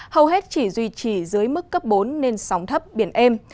hầu hết chỉ duy trì dưới mức cấp bốn nên sóng thấp biển êm